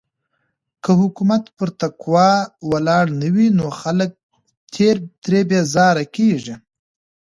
که حکومت پر تقوی ولاړ نه وي نو خلګ ترې بېزاره کيږي.